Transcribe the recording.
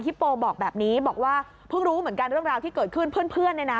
โปบอกแบบนี้บอกว่าเพิ่งรู้เหมือนกันเรื่องราวที่เกิดขึ้นเพื่อนเนี่ยนะ